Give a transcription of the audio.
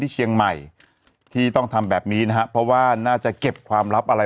เชียงใหม่ที่ต้องทำแบบนี้นะฮะเพราะว่าน่าจะเก็บความลับอะไร